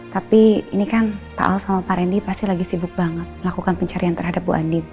tapi ini kan taal sama pak rendy pasti lagi sibuk banget melakukan pencarian terhadap bu andi